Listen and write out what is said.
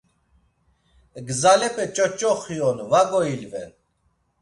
Gzalepe ç̌oç̌oxi on, va goilven.